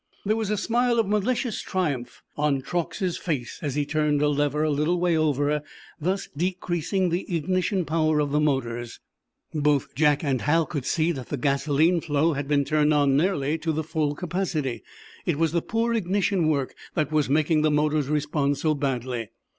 There was a smile of malicious triumph on Truax's face as he turned a lever a little way over, thus decreasing the ignition power of the motors. Both Jack and Hal could see that the gasoline flow had been turned on nearly to the full capacity. It was the poor ignition work that was making the motors respond so badly.